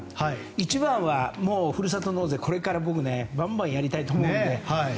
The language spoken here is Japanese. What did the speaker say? １番は、ふるさと納税をこれから僕ばんばんやりたいと思うので。